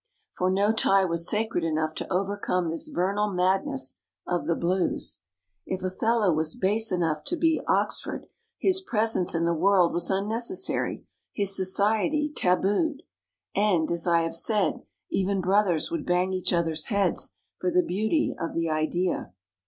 For no tie was sacred enough to overcome this vernal madness of the Blues. If a fellow was base enough to be Oxford, his presence OXFORD AND CAMBRIDGE 97 in the world was unnecessary, his society tabooed. And, as I have said, even brothers would bang each other's heads for the beauty of the Idea.